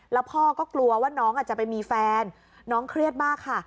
แล้วพ่อก็กลัวว่าน้องอาจจะไปมีแฟนน้องเครียดมากค่ะ